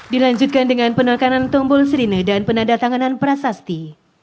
dilanjutkan dengan penerkanan tombol serine dan penandatanganan prasasti